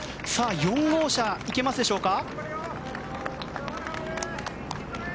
４号車、行けますでしょうか。